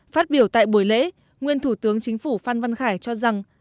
phát biểu tại buổi lễ nguyên thủ tướng chính phủ phan văn khải cho rằng